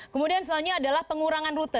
kemudian selanjutnya adalah pengurangan rute